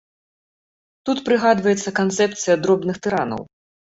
Тут прыгадваецца канцэпцыя дробных тыранаў.